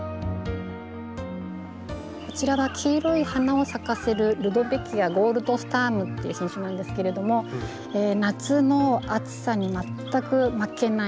こちらは黄色い花を咲かせるルドベキア・ゴールドスタームっていう品種なんですけれども夏の暑さに全く負けない植物ですねルドベキア。